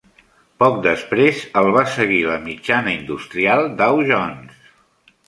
Poc després el va seguir la Mitjana Industrial Dow Jones.